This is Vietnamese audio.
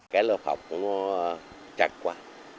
cái lớp học nó chặt quá